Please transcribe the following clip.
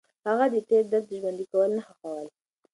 هغه د تېر درد ژوندي کول نه خوښول.